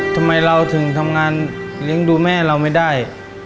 ทำไมเราถึงทำงานเลี้ยงดูแม่เราไม่ได้